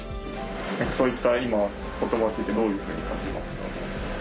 そういった言葉ってどういうふうに感じますか？